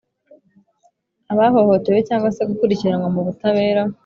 abahohotewe cyangwa se gukurikiranwa mu butabera